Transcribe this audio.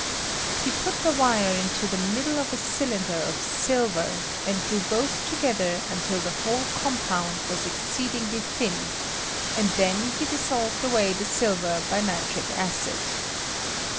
He put the wire into the middle of a cylinder of I 208 ADVANTAGE OF THE BLOWPIPE. silver, and drew both together until the whole compound was exceedingly thin, and then he dissolved away the silver by nitric acid.